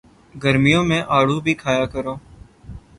گرمیوں میں آڑو بھی کھایا کرو